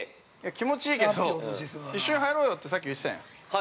◆気持ちいいけど、一緒に入ろうよってさっき言ってたじゃん。